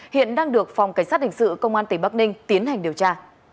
hiện đang được phòng cảnh sát hình sự công an tỉnh bắc ninh tiến hành điều tra